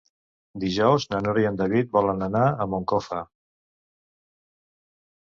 Dijous na Nora i en David volen anar a Moncofa.